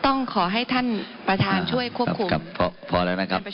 ต้องขอให้ท่านประธานช่วยควบคุมครับพอแล้วนะครับ